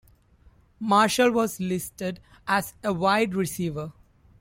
Marshall was listed as a wide receiver.